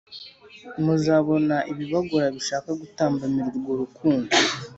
Muzabona ibibagora bishaka gutambamira urwo rukundo